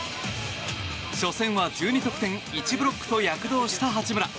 初戦は１２得点１ブロックと躍動した八村。